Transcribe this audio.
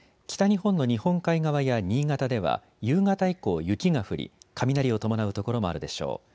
北日本の日本海側や新潟では夕方以降、雪が降り雷を伴う所もあるでしょう。